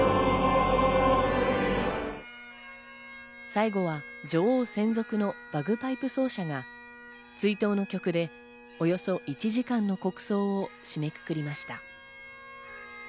最後は女王専属のバグパイプ奏者が追悼の曲でおよそ１時間の国葬を締めくくりました。